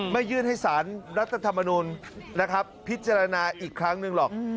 ไม่ยื่นให้สารรัฐธรรมนูนพิจารณาอีกครั้งหนึ่งหรอก